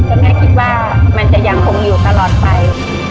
คุณแม่คิดว่ามันจะยังคงอยู่ตลอดไป